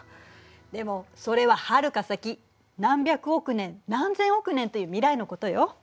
でもそれははるか先何百億年何千億年という未来のことよ。